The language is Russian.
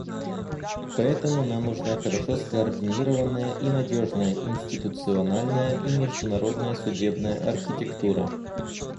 Поэтому нам нужна хорошо скоординированная и надежная институциональная и международная судебная архитектура.